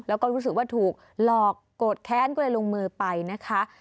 แล้วก็รู้สึกว่าถูกหลอกโกรธแค้นก็เลยลงมือไปนะคะ